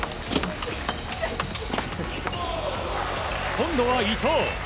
今度は伊藤。